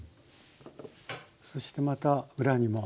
そしてまた裏にも。